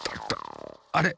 あれ？